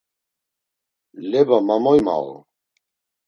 Leba ma moy mau?